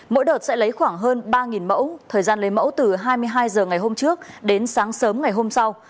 mỗi đợt sẽ lấy khoảng hơn ba mẫu thời gian lấy mẫu từ hai mươi hai h ngày hôm trước đến sáng sớm ngày hôm sau